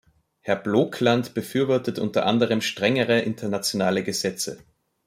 Herr Blokland befürwortet unter anderem strengere internationale Gesetze.